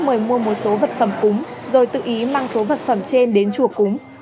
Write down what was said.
nguyễn văn dũng mua một số vật phẩm cúng rồi tự ý mang số vật phẩm trên đến chùa cúng